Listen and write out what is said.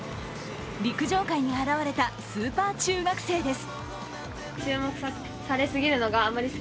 陸上界に現れたスーパー中学生です。